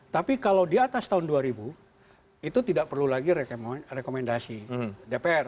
tapi kalau di atas tahun dua ribu itu tidak perlu lagi rekomendasi dpr